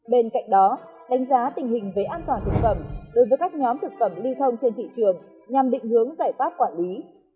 bên cạnh đó đánh giá tình hình về an toàn thực phẩm đối với các nhóm thực phẩm lưu thông trên thị trường nhằm định hướng giải pháp quản lý